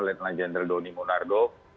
lendang jenderal doni monardo